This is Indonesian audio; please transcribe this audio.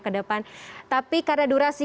ke depan tapi karena durasi